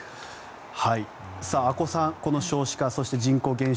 阿古さんこの少子化そして人口減少